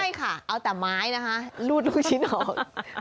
ใช่ค่ะเอาแต่ไม้นะคะรูดลูกชิ้นออก